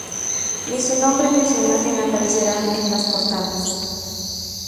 Ni su nombre, ni su imagen aparecerían en las portadas.